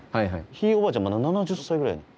ひいおばあちゃんまだ７０歳ぐらいやねん。